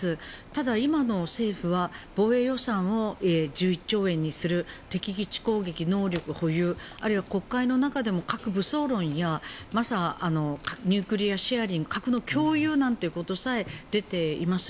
ただ今の政府は防衛予算を１１兆円にする敵基地攻撃能力保有あるいは国会の中でも核武装論やニュークリア・シェアリング核の共有なんていうことさえ出ています。